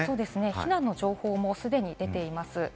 避難の情報も既に出ています。